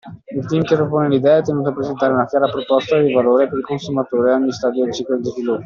Il team che propone l’idea è tenuto a presentare una chiara proposta di valore per il consumatore a ogni stadio del ciclo di sviluppo.